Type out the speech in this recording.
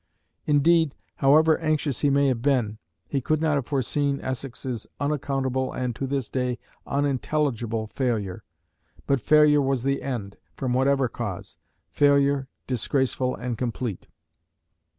Indeed, however anxious he may have been, he could not have foreseen Essex's unaccountable and to this day unintelligible failure. But failure was the end, from whatever cause; failure, disgraceful and complete.